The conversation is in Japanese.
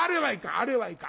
あれはいかん